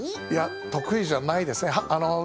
いや得意じゃないですね。